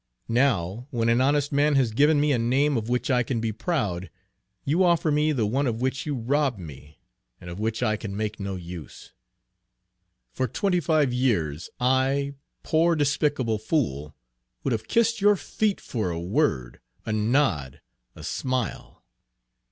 Now, when an honest man has given me a name of which I can be proud, you offer me the one of which you robbed me, and of which I can make no use. For twenty five years I, poor, despicable fool, would have kissed your feet for a word, a nod, a smile.